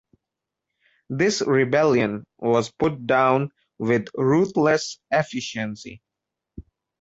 This rebellion was put down with ruthless efficiency.